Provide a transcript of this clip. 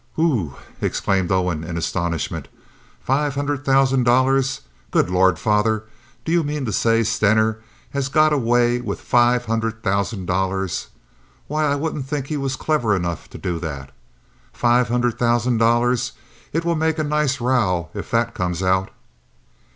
"Whew!" exclaimed Owen in astonishment. "Five hundred thousand dollars! Good Lord, father! Do you mean to say Stener has got away with five hundred thousand dollars? Why, I wouldn't think he was clever enough to do that. Five hundred thousand dollars! It will make a nice row if that comes out."